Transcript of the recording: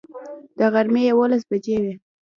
د غرمې یوولس بجې وې.